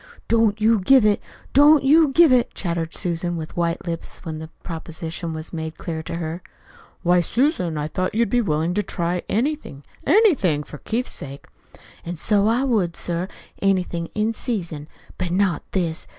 "Don't you give it, don't you give it!" chattered Susan, with white lips, when the proposition was made clear to her. "Why, Susan, I thought you'd be willing to try anything, ANYTHING for Keith's sake." "An' so I would, sir, anything in season. But not this.